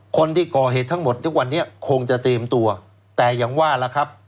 คนที่ก่อเหตุทั้งหมดทุกวันนี้คงจะเตรียมตัวแต่อย่างว่าล่ะครับ